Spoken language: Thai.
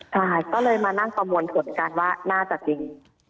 ใช่ก็เลยมานั่งประมวลผลกันว่าน่าจะจริง